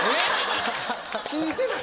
聞いてない？